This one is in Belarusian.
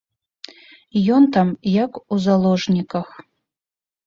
Ён там як у заложніках.